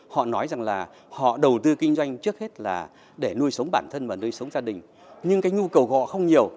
họ nói rằng là họ đầu tư kinh doanh trước hết là để nuôi sống bản thân và nuôi sống gia đình nhưng cái nhu cầu của họ không nhiều